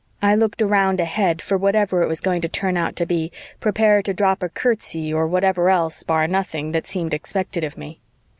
I looked around ahead for whatever it was going to turn out to be, prepared to drop a curtsy or whatever else, bar nothing, that seemed expected of me.